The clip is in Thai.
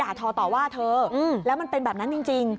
ทอต่อว่าเธอแล้วมันเป็นแบบนั้นจริง